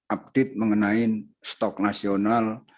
update mengenai stok nasional